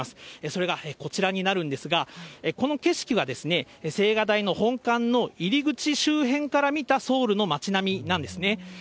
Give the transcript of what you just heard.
それがこちらになるんですが、この景色は、青瓦台の本館の入り口周辺から見たソウルの街並みなんですね。